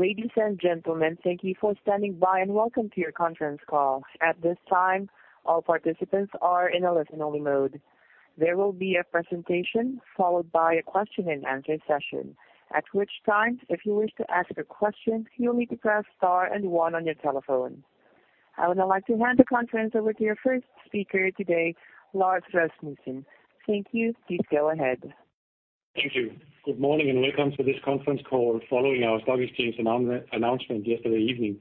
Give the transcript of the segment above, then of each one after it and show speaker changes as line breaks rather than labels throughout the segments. Ladies and gentlemen, thank you for standing by, and welcome to your conference call. At this time, all participants are in a listen-only mode. There will be a presentation followed by a question-and-answer session, at which time, if you wish to ask a question, you'll need to press * and 1 on your telephone. I would now like to hand the conference over to your first speaker today, Lars Rasmussen. Thank you. Please go ahead.
Thank you. Good morning, welcome to this conference call following our stock exchange announcement yesterday evening.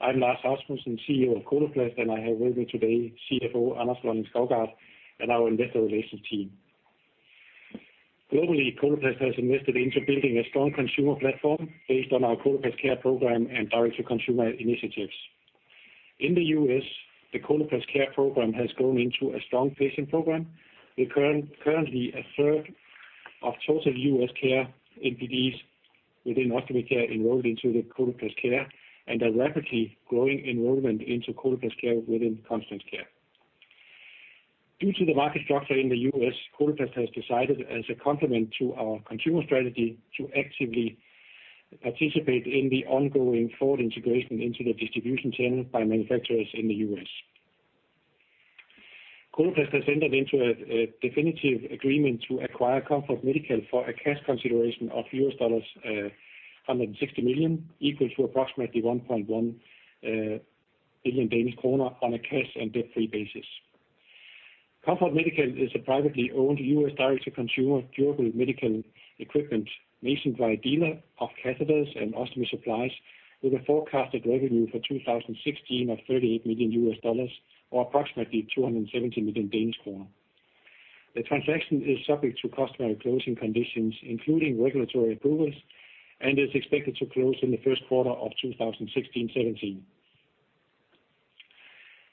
I'm Lars Rasmussen, CEO of Coloplast, and I have with me today CFO Anders Lonning-Skovgaard, and our investor relations team. Globally, Coloplast has invested into building a strong consumer platform based on our Coloplast Care program and direct-to-consumer initiatives. In the U.S., the Coloplast Care program has grown into a strong patient program, with currently a third of total U.S. care NPDs within ostomy care enrolled into the Coloplast Care, and a rapidly growing enrollment into Coloplast Care within Continence Care. Due to the market structure in the U.S., Coloplast has decided, as a complement to our consumer strategy, to actively participate in the ongoing forward integration into the distribution channel by manufacturers in the U.S. Coloplast has entered into a definitive agreement to acquire Comfort Medical for a cash consideration of $160 million, equal to approximately 1.1 billion Danish kroner on a cash and debt-free basis. Comfort Medical is a privately owned U.S. direct-to-consumer durable medical equipment nationwide dealer of catheters and ostomy supplies, with a forecasted revenue for 2016 of $38 million, or approximately 270 million Danish kroner. The transaction is subject to customary closing conditions, including regulatory approvals, and is expected to close in the first quarter of 2016/17.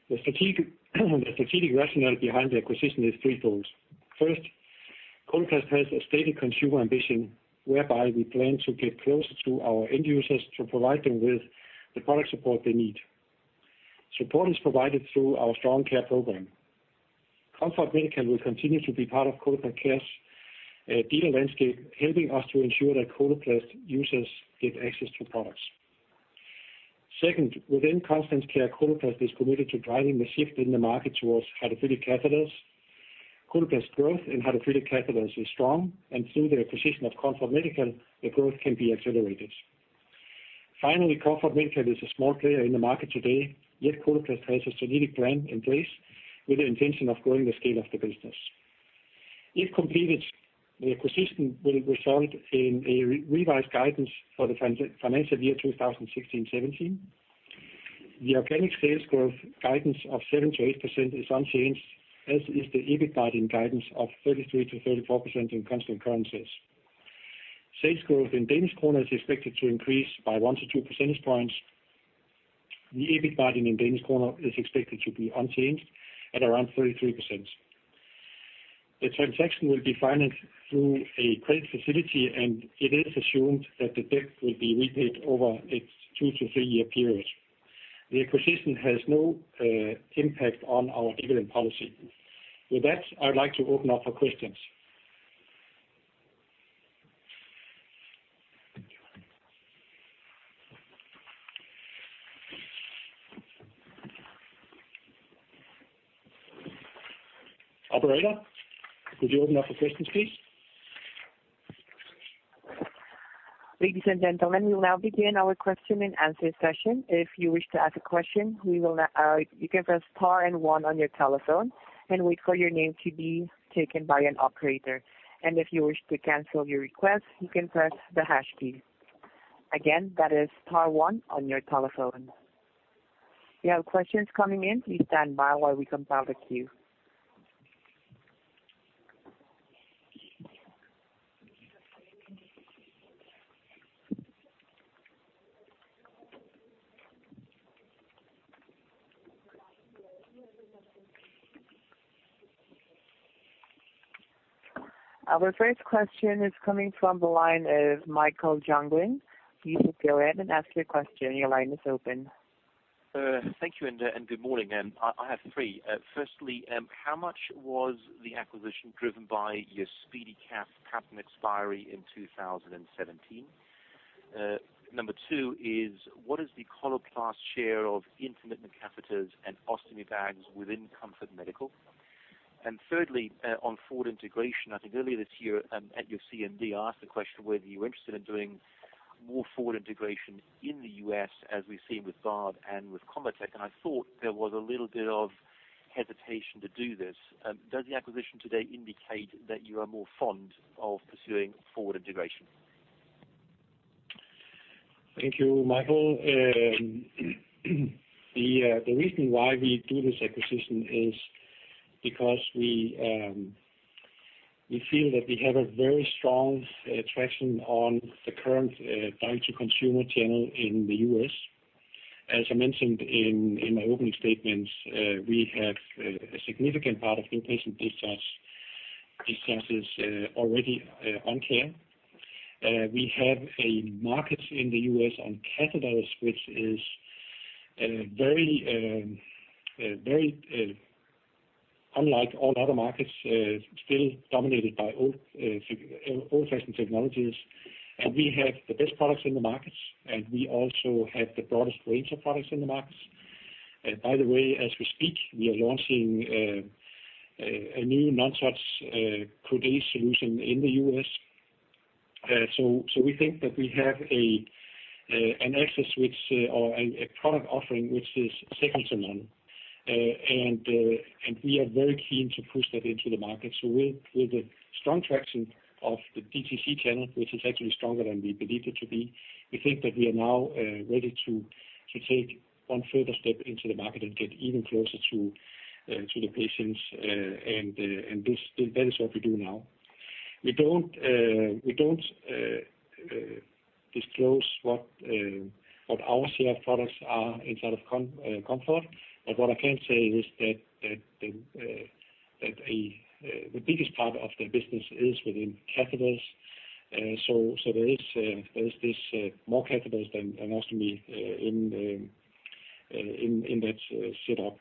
The strategic rationale behind the acquisition is threefold. First, Coloplast has a stated consumer ambition, whereby we plan to get closer to our end users to provide them with the product support they need. Support is provided through our strong Coloplast Care program. Comfort Medical will continue to be part of Coloplast Care's dealer landscape, helping us to ensure that Coloplast users get access to products. Second, within Continence Care, Coloplast is committed to driving the shift in the market towards hydrophilic catheters. Coloplast's growth in hydrophilic catheters is strong, and through the acquisition of Comfort Medical, the growth can be accelerated. Finally, Comfort Medical is a small player in the market today, yet Coloplast has a strategic plan in place with the intention of growing the scale of the business. If completed, the acquisition will result in a revised guidance for the financial year 2016/2017. The organic sales growth guidance of 7%-8% is unchanged, as is the EBIT guidance of 33%-34% in constant currencies. Sales growth in Danish kroner is expected to increase by 1 to 2 percentage points. The EBIT guiding in DKK is expected to be unchanged at around 33%. The transaction will be financed through a credit facility, and it is assumed that the debt will be repaid over a 2–3-year period. The acquisition has no impact on our dividend policy. With that, I would like to open up for questions. Operator, could you open up the questions, please?
Ladies and gentlemen, we'll now begin our question-and-answer session. If you wish to ask a question, we will, you can press * 1 on your telephone and wait for your name to be taken by an operator. If you wish to cancel your request, you can press the # key. Again, that is * 1 on your telephone. We have questions coming in. Please stand by while we compile the queue. Our first question is coming from the line of Michael Jüngling. You should go ahead and ask your question. Your line is open.
Thank you, and good morning, I have 3. Firstly, how much was the acquisition driven by your SpeediCath patent expiry in 2017? Number 2 is what is the Coloplast share of intermittent catheters and ostomy bags within Comfort Medical? Thirdly, on forward integration, I think earlier this year, at your CMD, I asked the question whether you were interested in doing more forward integration in the U.S., as we've seen with Bard and with Convatec, and I thought there was a little bit of hesitation to do this. Does the acquisition today indicate that you are more fond of pursuing forward integration?
Thank you, Michael. The reason why we do this acquisition is because we feel that we have a very strong traction on the current direct-to-consumer channel in the U.S. As I mentioned in my opening statements, we have a significant part of in-patient discharges already on care. We have a market in the U.S. on catheters, which is a very unlike all other markets, still dominated by old-fashioned technologies. We have the best products in the markets, and we also have the broadest range of products in the markets. By the way, as we speak, we are launching a new non-touch solution in the U.S. We think that we have an access which, or a product offering which is second to none. We are very keen to push that into the market. With the strong traction of the DTC channel, which is actually stronger than we believed it to be, we think that we are now ready to take one further step into the market and get even closer to the patients. This, that is what we do now. We don't disclose what our share products are inside of Comfort. What I can say is that the biggest part of the business is within catheters. So there is this more catheters than ultimately in that setup.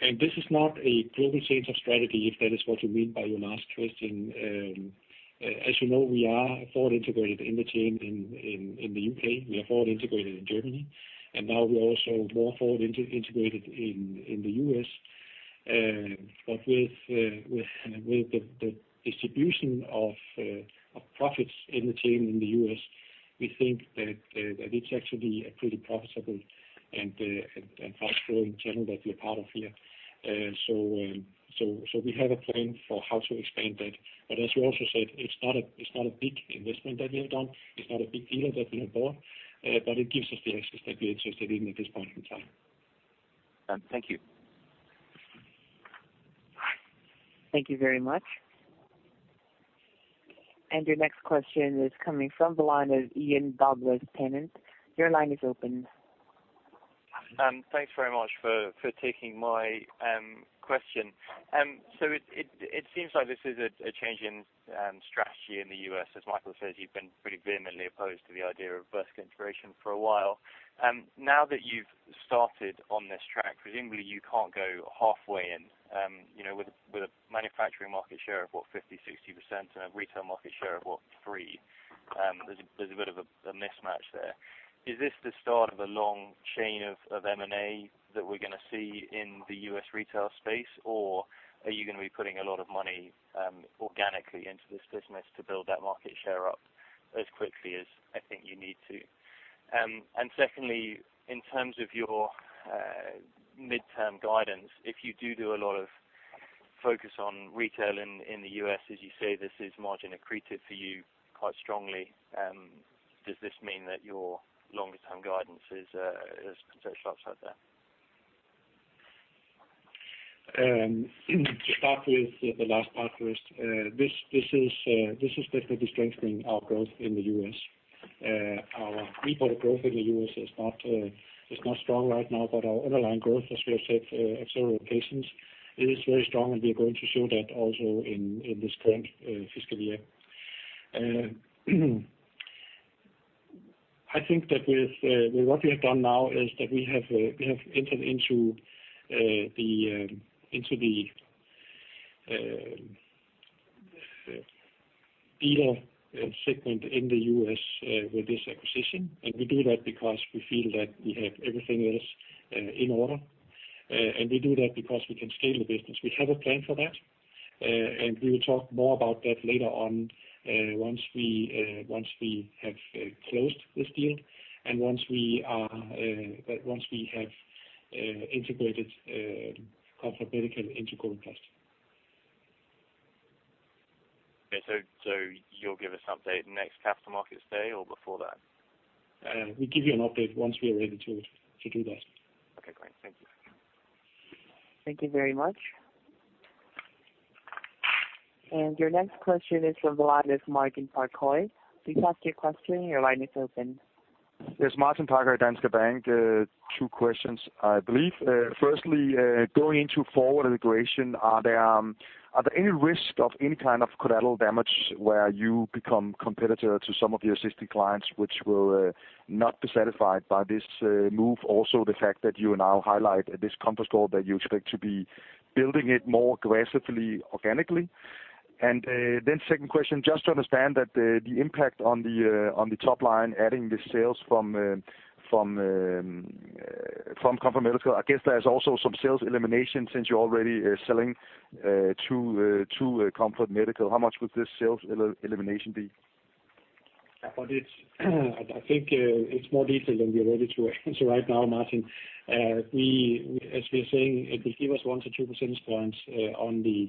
This is not a global change of strategy, if that is what you mean by your last question. As you know, we are forward integrated in the chain in the U.K. We are forward integrated in Germany, and now we're also more forward integrated in the U.S. With the distribution of profits in the chain in the U.S., we think that it's actually a pretty profitable and fast-growing channel that we are part of here. We have a plan for how to expand that, but as you also said, it's not a big investment that we have done. It's not a big dealer that we have bought, but it gives us the access that we interested in at this point in time.
Thank you.
Thank you very much. Your next question is coming from the line of Ian Douglas-Pennant. Your line is open.
Thanks very much for taking my question. It seems like this is a change in strategy in the U.S. As Michael says, you've been pretty vehemently opposed to the idea of vertical integration for a while. Now that you've started on this track, presumably you can't go halfway in. You know, with a manufacturing market share of, what, 50%, 60%, and a retail market share of, what, 3%, there's a bit of a mismatch there. Is this the start of a long chain of M&A that we're gonna see in the U.S. retail space, or are you gonna be putting a lot of money organically into this business to build that market share up as quickly as I think you need to? Secondly, in terms of your midterm guidance, if you do a lot of focus on retail in the U.S., as you say, this is margin accretive for you quite strongly, does this mean that your longer term guidance is potentially upside down?
To start with the last part first, this is definitely strengthening our growth in the U.S. Our reported growth in the U.S. is not strong right now, but our underlying growth, as we have said, at several occasions, is very strong, and we are going to show that also in this current fiscal year. I think that with what we have done now is that we have entered into the dealer segment in the U.S., with this acquisition. We do that because we feel that we have everything else in order. We do that because we can scale the business. We have a plan for that, and we will talk more about that later on, once we have closed this deal, and once we have integrated Comfort Medical into Coloplast.
Okay. You'll give us update next capital markets day or before that?
We'll give you an update once we are ready to do that.
Okay, great. Thank you.
Thank you very much. Your next question is from the line with Martin Parkhøi. Please ask your question. Your line is open.
Yes, Martin Parkhøi, Danske Bank. Two questions, I believe. Firstly, going into forward integration, are there any risk of any kind of collateral damage where you become competitor to some of your existing clients, which will not be satisfied by this move? Also, the fact that you now highlight this Comfort Medical, that you expect to be building it more aggressively, organically. Second question, just to understand that the impact on the top line, adding the sales from Comfort Medical, I guess there is also some sales elimination, since you're already selling through Comfort Medical. How much would this sales elimination be?
It's, I think, it's more detail than we are ready to answer right now, Martin. We, as we are saying, it will give us 1-2 percentage points on the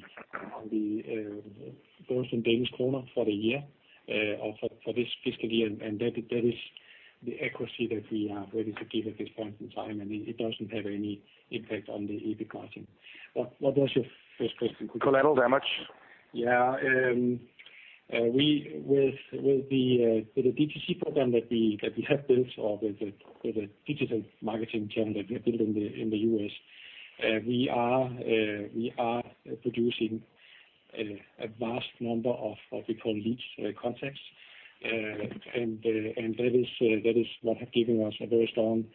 Danish kroner for the year, or for this fiscal year. That is the accuracy that we are ready to give at this point in time, and it doesn't have any impact on the EBIT margin. What was your first question?
Collateral damage.
We, with the DTC program that we have built or with the digital marketing channel that we have built in the U.S., we are producing a vast number of, what we call leads, contacts. That is what have given us a very strong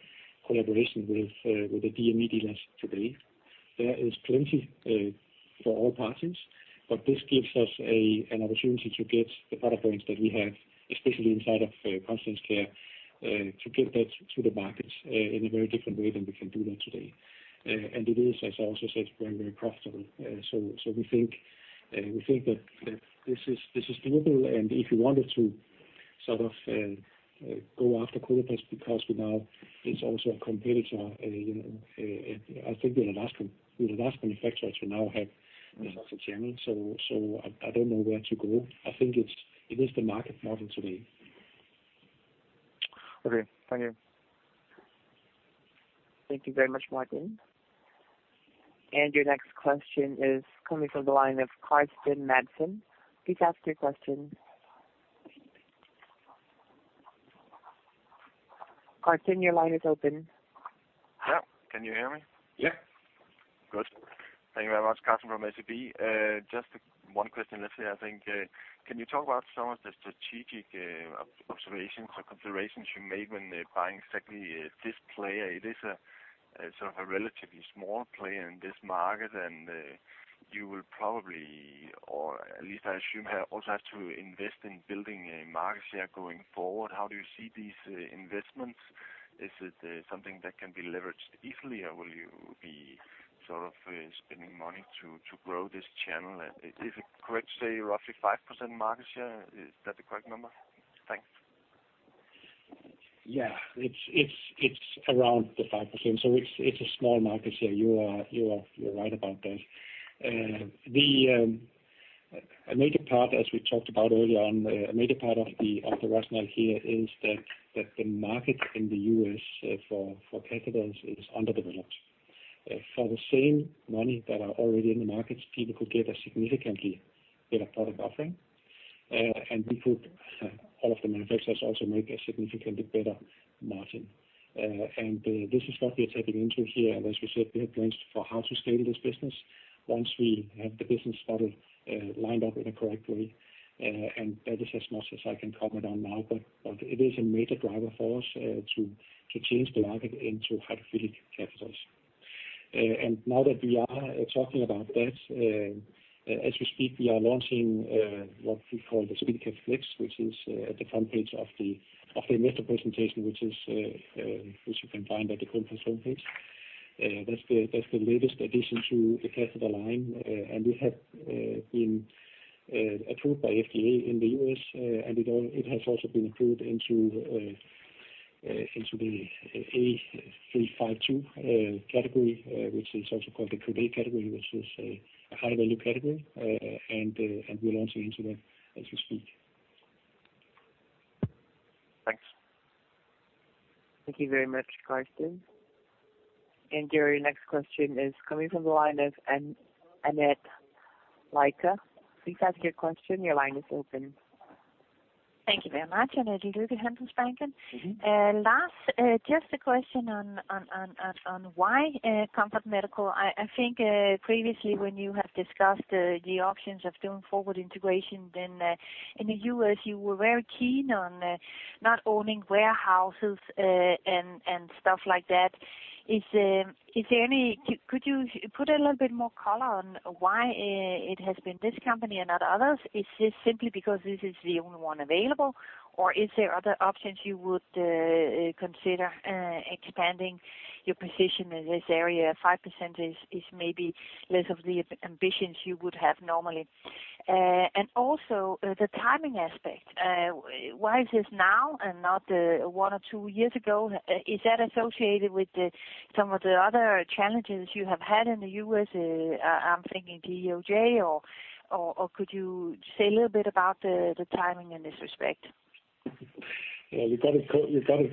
collaboration with the DME dealers today. There is plenty for all parties, but this gives us an opportunity to get the product brands that we have, especially inside of Continence Care, to get that to the markets in a very different way than we can do that today. It is, as I also said, very, very profitable. We think that this is doable, and if you wanted to sort of, go after Convatec because we now, it's also a competitor, you know, I think we're the last manufacturers who now have this as a channel. I don't know where to go. I think it is the market model today.
Okay, thank you.
Thank you very much, Martin. Your next question is coming from the line of Carsten Madsen. Please ask your question. Carsten, your line is open.
Yeah. Can you hear me?
Yeah.
Good. Thank you very much, Carsten from SEB. Just one question, actually, I think, can you talk about some of the strategic observations or considerations you made when buying exactly this player? It is sort of a relatively small player in this market, and you will probably, or at least I assume, have also to invest in building a market share going forward. How do you see these investments? Is it something that can be leveraged easily, or will you be sort of spending money to grow this channel? If it correct, say, roughly 5% market share, is that the correct number? Thanks.
It's around the 5%, so it's a small market share. You're right about that. A major part, as we talked about earlier on, a major part of the rationale here is that the market in the U.S. for catheters is underdeveloped. For the same money that are already in the markets, people could get a significantly better product offering, and all of the manufacturers also make a significantly better margin. This is what we are tapping into here, and as we said, we have plans for how to scale this business once we have the business model lined up in a correct way. That is as much as I can comment on now, but it is a major driver for us to change the market into hydrophilic catheters. Now that we are talking about that, as we speak, we are launching what we call the SpeediCath Flex, which is at the front page of the investor presentation, which is which you can find at the conference homepage. That's the latest addition to the catheter line, and we have been approved by FDA in the U.S., and it has also been approved into into the A4352 category, which is also called the Code A category, which is a high-value category. We'll launch into that as we speak.
Thanks.
Thank you very much, Carsten. Your next question is coming from the line of Annette Lykke. Please ask your question. Your line is open.
Thank you very much, Annette Lykke, Handelsbanken.
Mm-hmm.
Lars, just a question on why Comfort Medical. I think previously, when you have discussed the options of doing forward integration, then in the U.S., you were very keen on not owning warehouses and stuff like that. Could you put a little bit more color on why it has been this company and not others? Is this simply because this is the only one available, or is there other options you would consider expanding your position in this area? 5% is maybe less of the ambitions you would have normally. Also, the timing aspect. Why is this now and not 1 or 2 years ago? Is that associated with the, some of the other challenges you have had in the U.S.? I'm thinking DOJ or could you say a little bit about the timing in this respect?
Yeah, you got it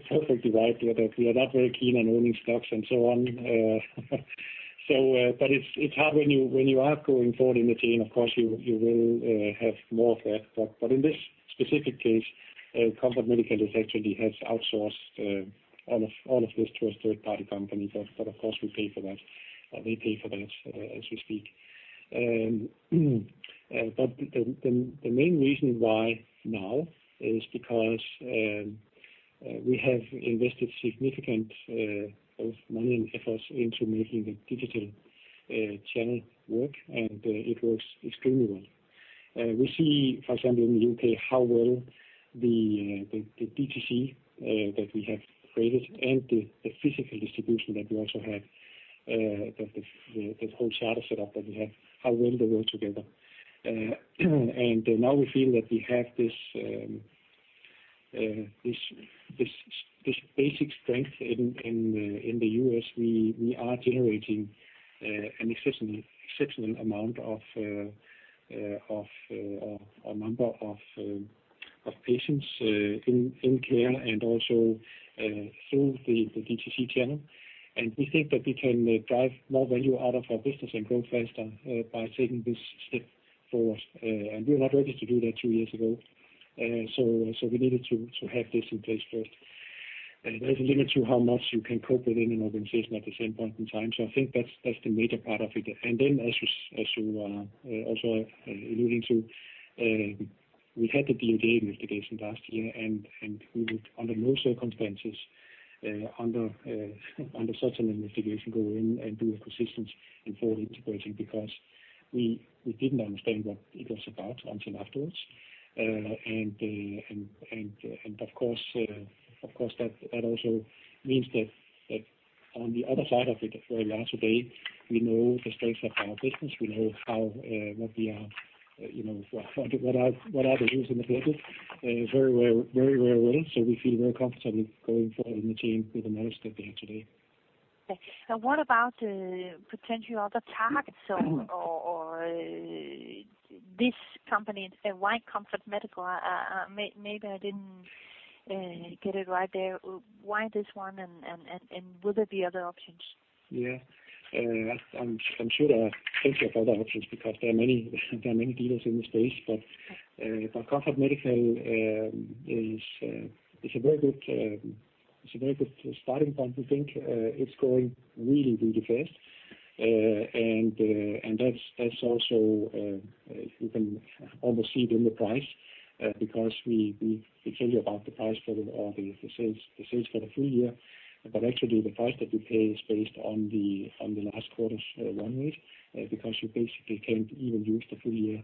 perfectly right that we are not very keen on owning stocks and so on. It's hard when you, when you are going forward in the chain, of course, you will, have more of that. In this specific case, Comfort Medical effectively has outsourced, all of this to a third-party company, but of course, we pay for that as we speak. The main reason why now is because, we have invested significant, both money and efforts into making the digital, channel work, and, it works extremely well. We see, for example, in the U.K., how well the DTC that we have created and the physical distribution that we also have, the whole charter set up that we have, how well they work together. Now we feel that we have this basic strength in the U.S. We are generating an exceptional amount of a number of patients in care and also through the DTC channel. We think that we can drive more value out of our business and grow faster by taking this step forward. We were not ready to do that two years ago, so we needed to have this in place first. There's a limit to how much you can cope within an organization at the same point in time. I think that's the major part of it. Then as you also alluding to, we had the DOJ investigation last year, and we would under no circumstances under such an investigation, go in and do a persistence and forward integrating, because we didn't understand what it was about until afterwards. Of course, that also means that on the other side of it, for last day, we know the stakes of our business. We know how what we are, you know, what are the risks in the business, very well, very well. We feel very comfortable going forward in the team with the knowledge that we have today.
What about potentially other targets or this company and why Comfort Medical? Maybe I didn't get it right there. Why this one, and will there be other options?
Yeah. I'm sure there are plenty of other options, because there are many dealers in this space. Comfort Medical is a very good starting point to think. It's growing really, really fast. That's also, you can almost see it in the price, because we tell you about the price for all the sales for the full year. Actually, the price that we pay is based on the last quarter's run rate, because you basically can't even use the full year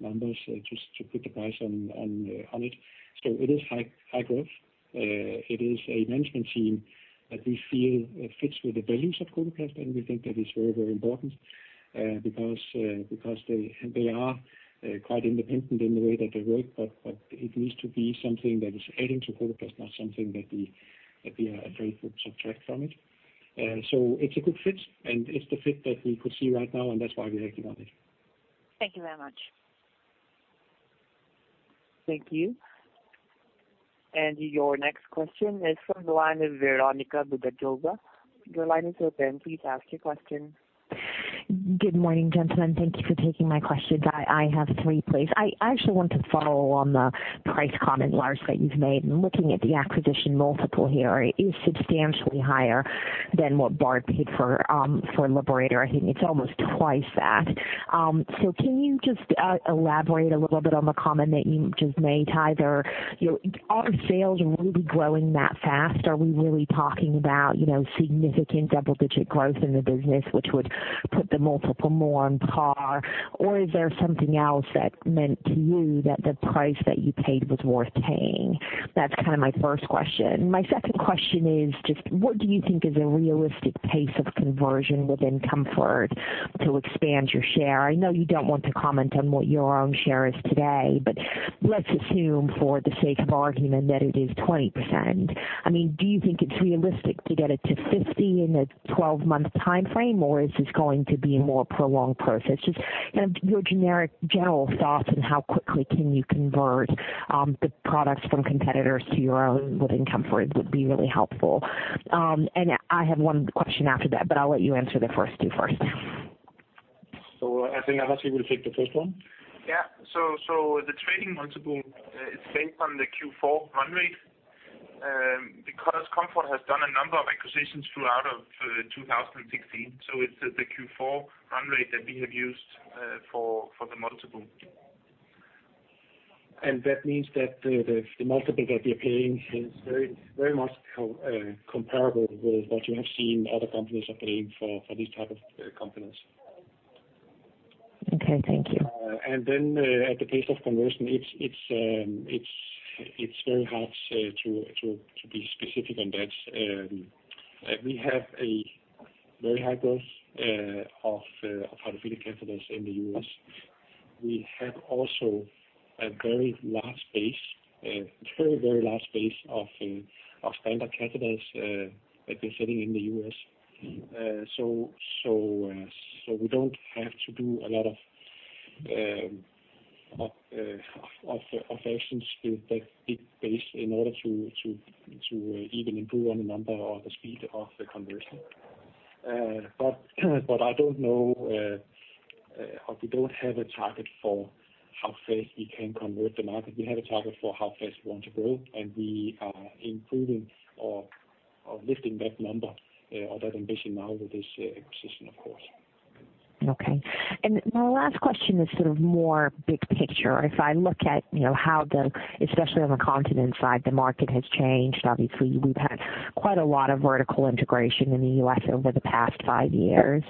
numbers just to put the price on it. It is high growth. It is a management team that we feel fits with the values of Coloplast, and we think that is very important, because they are quite independent in the way that they work, but it needs to be something that is adding to Coloplast, not something that we are afraid would subtract from it. It's a good fit, and it's the fit that we could see right now, and that's why we're acting on it.
Thank you very much.
Thank you. Your next question is from the line of Veronika Dubajova. Your line is open. Please ask your question.
Good morning, gentlemen. Thank you for taking my questions. I have 3, please. I actually want to follow on the price comment, Lars, that you've made. Looking at the acquisition multiple here, it is substantially higher than what Bard paid for Liberator. I think it's almost 2x that. Can you just elaborate a little bit on the comment that you just made? Either, you know, are sales really growing that fast? Are we really talking about, you know, significant double-digit growth in the business, which would put the multiple more on par, or is there something else that meant to you that the price that you paid was worth paying? That's kind of my first question. My second question is just, what do you think is a realistic pace of conversion within Comfort to expand your share? I know you don't want to comment on what your own share is today. Let's assume for the sake of argument that it is 20%. I mean, do you think it's realistic to get it to 50% in a 12-month timeframe, or is this going to be a more prolonged process? Just, you know, your generic general thoughts on how quickly can you convert the products from competitors to your own within Comfort would be really helpful. I have 1 question after that, but I'll let you answer the first 2 first.
I think, Lars, you will take the first one.
Yeah. So the trading multiple is based on the Q4 run rate because Comfort has done a number of acquisitions throughout of 2016. It's the Q4 run rate that we have used for the multiple. That means that the multiple that we are paying is very, very much comparable with what you have seen other companies are paying for these type of companies.
Okay, thank you.
At the pace of conversion, it's very hard to be specific on that. We have a very high growth of how to feed the catheters in the U.S. We have also a very large base, very large base of standard catheters that we're selling in the U.S. We don't have to do a lot of actions to that big base in order to even improve on the number or the speed of the conversion. I don't know, or we don't have a target for how fast we can convert the market. We have a target for how fast we want to grow, and we are improving or lifting that number, or that ambition now with this acquisition, of course.
Okay. My last question is sort of more big picture. If I look at, you know, how the especially on the continent side, the market has changed. Obviously, we've had quite a lot of vertical integration in the U.S. over the past 5 years.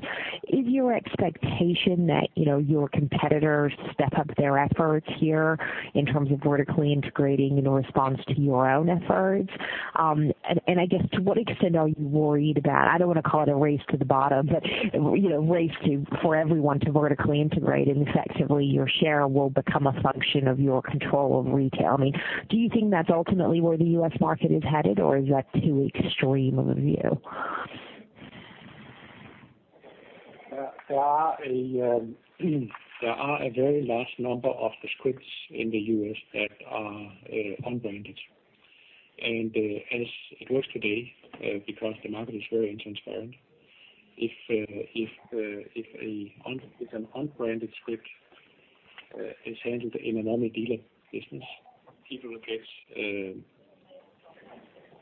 Is your expectation that, you know, your competitors step up their efforts here in terms of vertically integrating in response to your own efforts? And I guess, to what extent are you worried about, I don't want to call it a race to the bottom, but, you know, race to for everyone to vertically integrate, and effectively, your share will become a function of your control over retail. I mean, do you think that's ultimately where the U.S. market is headed, or is that too extreme of a view?
There are a very large number of the scripts in the U.S. that are unbranded. As it works today, because the market is very transparent, if an unbranded script is handled in a normal dealer business. People will get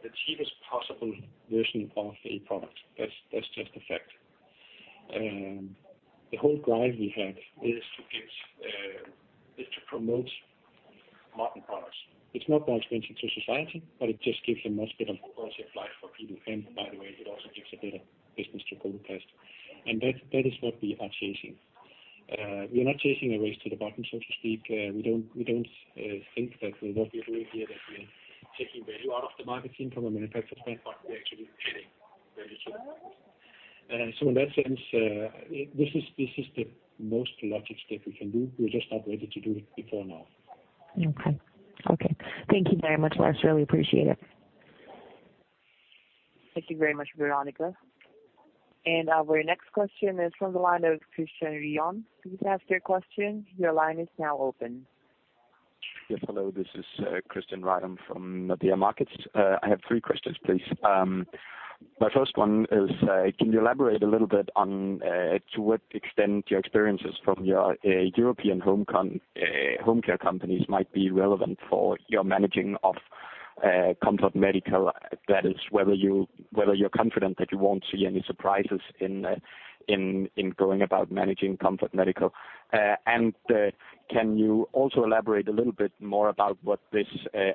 the cheapest possible version of a product. That's just a fact. The whole drive we have is to get is to promote modern products. It's not more expensive to society, but it just gives a much better quality of life for people. By the way, it also gives a better business to Danske Test, and that is what we are chasing. We are not chasing a race to the bottom, so to speak. We don't think that what we are doing here, that we're taking value out of the market from a manufacturer standpoint, we're actually creating value. In that sense, this is the most logical step we can do. We're just not ready to do it before now.
Okay. Okay. Thank you very much, Lars. Really appreciate it.
Thank you very much, Veronika. Our next question is from the line of Christian Sørup Ryom. Please ask your question. Your line is now open.
Yes, hello, this is Christian Sørup Ryom from Danske Bank Markets. I have 3 questions, please. My first one is, can you elaborate a little bit on to what extent your experiences from your European home care companies might be relevant for your managing of Comfort Medical? That is, whether you're confident that you won't see any surprises in going about managing Comfort Medical. Can you also elaborate a little bit more about what this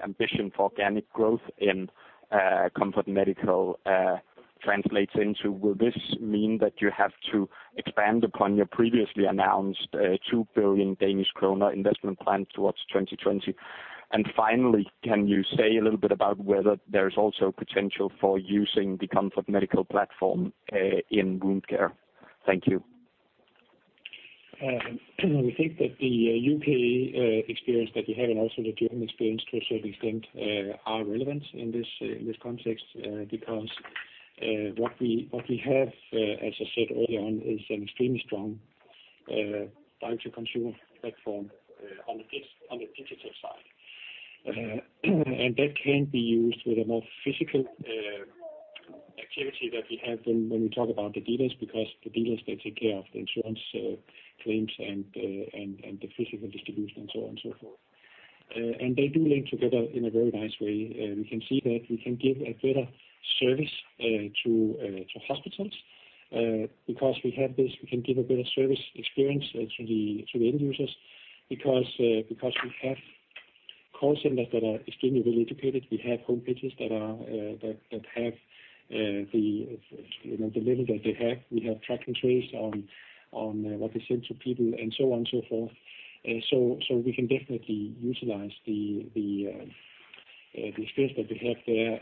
ambition for organic growth in Comfort Medical translates into? Will this mean that you have to expand upon your previously announced 2 billion Danish kroner investment plan towards 2020? Finally, can you say a little bit about whether there is also potential for using the Comfort Medical platform in wound care? Thank you.
We think that the U.K. experience that we have, and also the German experience to a certain extent, are relevant in this context, because what we have, as I said earlier on, is an extremely strong direct to consumer platform on the digital side. That can be used with a more physical activity that we have when we talk about the dealers, because the dealers, they take care of the insurance claims and the physical distribution and so on and so forth. They do link together in a very nice way. We can see that we can give a better service to hospitals because we have this, we can give a better service experience to the end users because we have call centers that are extremely well educated. We have home pages that are that have the, you know, the level that they have. We have tracking tools on what we send to people and so on and so forth. So we can definitely utilize the experience that we have there.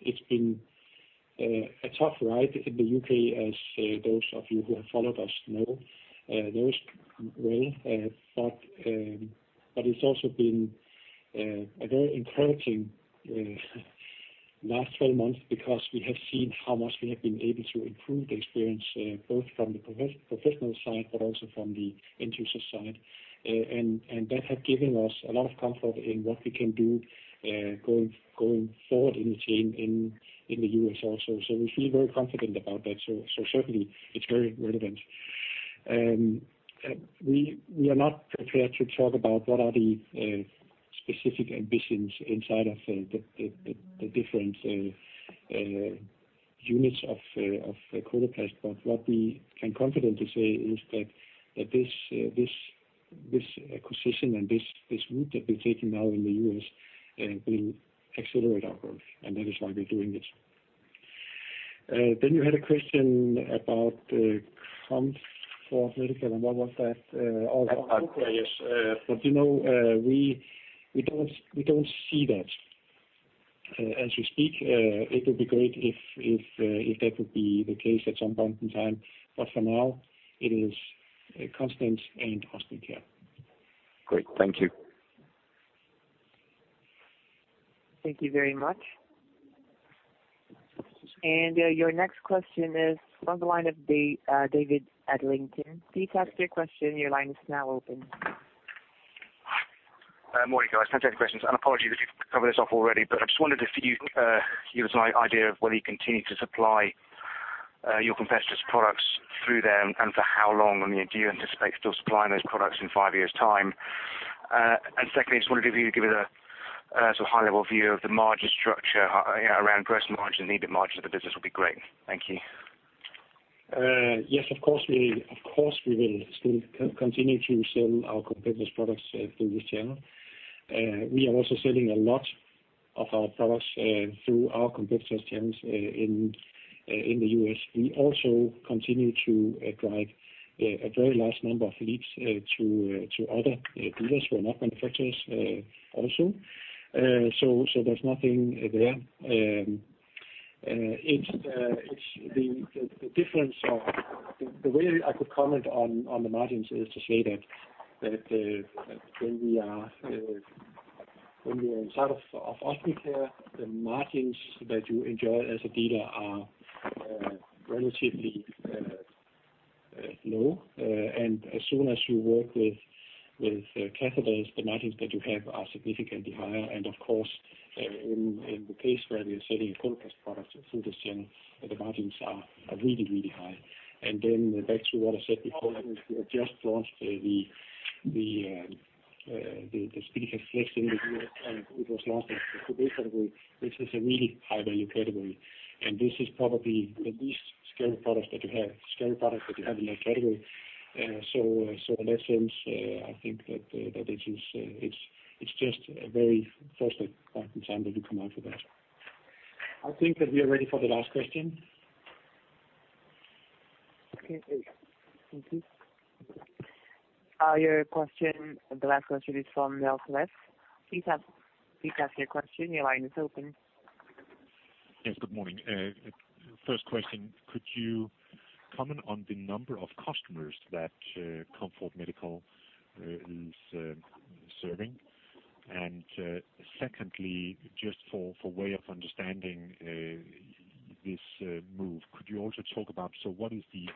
It's been a tough ride in the U.K., as those of you who have followed us know, knows well. It's also been a very encouraging last 12 months, because we have seen how much we have been able to improve the experience, both from the professional side, but also from the end user side. That has given us a lot of comfort in what we can do going forward in the chain in the U.S. also. We feel very confident about that. Certainly it's very relevant. We are not prepared to talk about what are the specific ambitions inside of the different units of Danske Test. What we can confidently say is that this acquisition and this route that we're taking now in the U.S. will accelerate our growth, and that is why we're doing this. You had a question about Comfort Medical, and what was that? Oh, yes. You know, we don't see that as we speak. It would be great if that would be the case at some point in time, but for now, it is Continence Care and OstomyCare.
Great. Thank you.
Thank you very much. Your next question is on the line of David Adlington. Please ask your question. Your line is now open.
Morning, guys. Can I take questions? Apologies if you've covered this off already, I just wondered if you'd give us an idea of whether you continue to supply your competitors' products through them, and for how long? I mean, do you anticipate still supplying those products in 5 years' time? Secondly, just wanted you to give us a sort of high level view of the margin structure around gross margin and EBITDA margins of the business would be great. Thank you.
Yes, of course, we will still continue to sell our competitors' products through this channel. We are also selling a lot of our products through our competitors' channels in the U.S. We also continue to drive a very large number of leads to other dealers who are not manufacturers also. There's nothing there. It's the difference of... The way I could comment on the margins is to say that when we are inside of OstomyCare, the margins that you enjoy as a dealer are relatively low. As soon as you work with catheters, the margins that you have are significantly higher. Of course, in the case where we are selling Danske Test products through this channel, the margins are really, really high. Back to what I said before, we have just launched the SpeediCath Flex, it was not a category, which is a really high-value category, and this is probably the least scaled product that you have in that category. So, in that sense, I think that it is, it's just a very first time that you come out with that. I think that we are ready for the last question.
Okay, thank you. Your question, the last question is from Niels Leth. Please ask your question. Your line is open.
Yes, good morning. First question, could you comment on the number of customers that Comfort Medical is serving? Secondly, just for way of understanding this move, could you also talk about what is the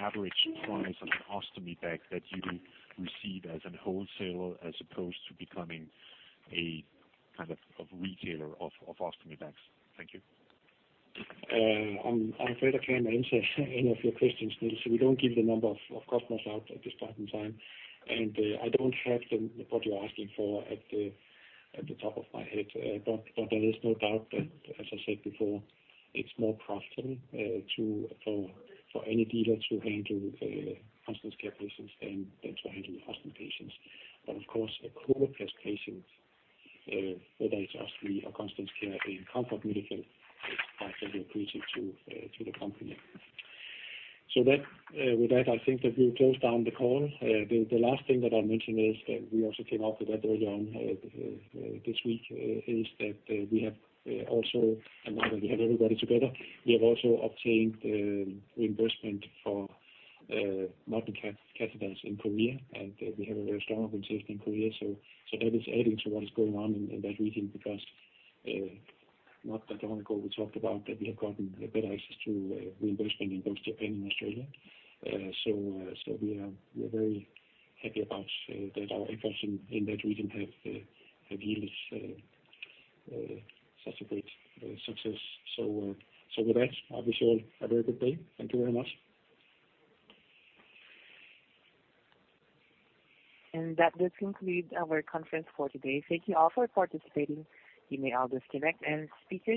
average price of an ostomy bag that you receive as a wholesaler, as opposed to becoming a kind of retailer of ostomy bags? Thank you.
I'm afraid I can't answer any of your questions, Niels. We don't give the number of customers out at this point in time. I don't have what you're asking for at the top of my head. There is no doubt that, as I said before, it's more profitable to any dealer to handle Continence Care patients than to handle ostomy patients. Of course, a colostomy patient, whether it's ostomy or Continence Care in Comfort Medical, is quite very appreciative to the company. With that, I think that we'll close down the call. The last thing that I'll mention is that we also came out with that very young this week, is that we have also, and now that we have everybody together, we have also obtained reimbursement for multi catheters in Korea, and we have a very strong position in Korea. That is adding to what is going on in that region, because not that long ago, we talked about that we have gotten a better access to reimbursement in both Japan and Australia. We are very happy about that our efforts in that region have yields such a great success. With that, I wish you all a very good day. Thank you very much.
That does conclude our conference for today. Thank you all for participating. You may all disconnect.